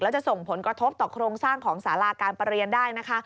จะส่งผลกระทบต่อโครงสร้างของสาราการประเรียนได้นะคะ